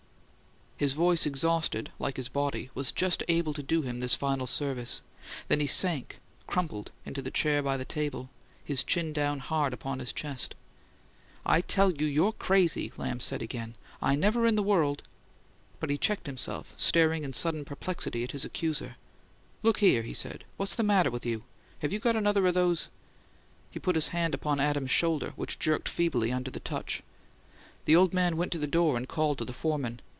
His voice, exhausted, like his body, was just able to do him this final service; then he sank, crumpled, into the chair by the table, his chin down hard upon his chest. "I tell you, you're crazy!" Lamb said again. "I never in the world " But he checked himself, staring in sudden perplexity at his accuser. "Look here!" he said. "What's the matter of you? Have you got another of those ?" He put his hand upon Adams's shoulder, which jerked feebly under the touch. The old man went to the door and called to the foreman.